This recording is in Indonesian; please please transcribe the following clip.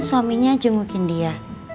suaminya jengukin dia